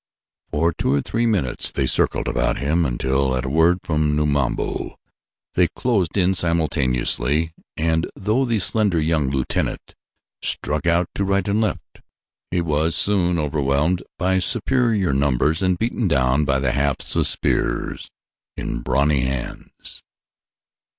For two or three minutes they circled about him until, at a word from Numabo, they closed in simultaneously, and though the slender young lieutenant struck out to right and left, he was soon overwhelmed by superior numbers and beaten down by the hafts of spears in brawny hands.